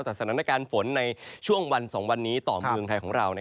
แต่สถานการณ์ฝนในช่วงวัน๒วันนี้ต่อเมืองไทยของเรา